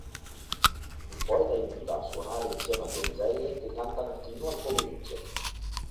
Il poeta invita a suonare insieme a donzelle che cantano fino al pomeriggio.